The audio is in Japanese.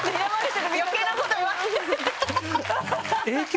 余計なこと言わない。